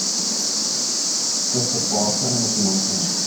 Questo fork non è più mantenuto.